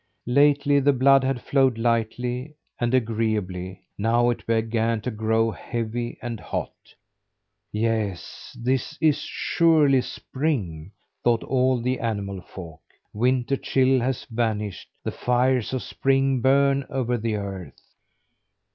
Lately the blood had flowed lightly and agreeably; now it began to grow heavy and hot. "Yes, this is surely spring," thought all the animal folk. "Winter chill has vanished. The fires of spring burn over the earth."